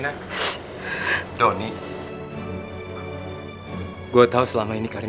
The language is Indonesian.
aku sudah selesai